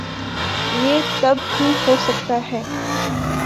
یہ تب ہی ہو سکتا ہے۔